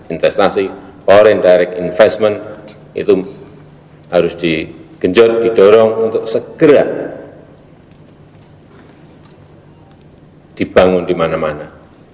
investasi foreign direct investment itu harus digenjot didorong untuk segera dibangun di mana mana